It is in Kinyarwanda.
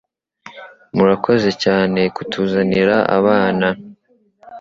Murakoze Cyane kutuzanira abana